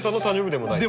でもない。